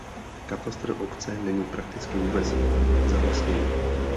Katastr obce není prakticky vůbec zalesněný.